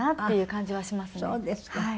そうですか。